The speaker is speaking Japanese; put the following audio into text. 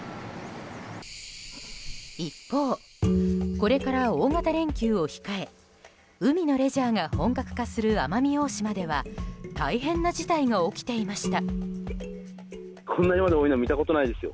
一方、これから大型連休を控え海のレジャーが本格化する奄美大島では大変な事態が起きていました。